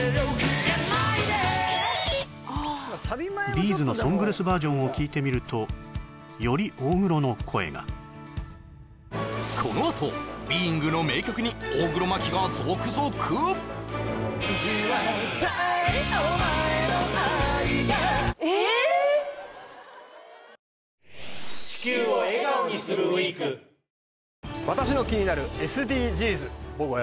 Ｂ’ｚのソングレスバージョンを聴いてみるとより大黒の声がこのあとビーイングの名曲に大黒摩季が続々えっここで大黒がを一部ご紹介